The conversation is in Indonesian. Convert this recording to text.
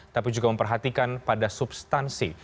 tapi juga memperhatikan pada substansi